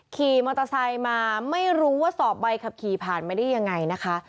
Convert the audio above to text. ขี่มอเตอร์ไซค์มาไม่รู้ว่าสอบใบขับขี่ผ่านมาได้ยังไงนะคะ